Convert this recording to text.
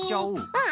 うん！